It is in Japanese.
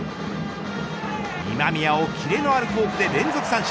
今宮をきれのあるフォークで連続三振。